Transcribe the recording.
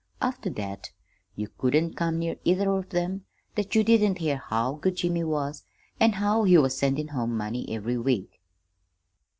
After that you couldn't come near either of 'em that you didn't hear how good Jimmy was an' how he was sendin' home money every week.